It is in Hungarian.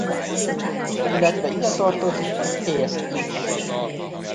Illetve ide tartozik a Haste is.